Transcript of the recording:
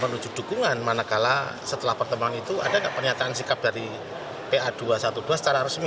menuju dukungan manakala setelah pertemuan itu ada pernyataan sikap dari pa dua ratus dua belas secara resmi